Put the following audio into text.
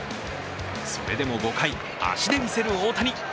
それでも５回、足で見せる大谷。